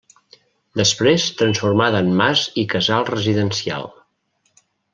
Després transformada en mas i casal residencial.